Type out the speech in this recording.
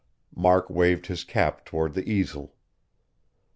Mark waved his cap toward the easel.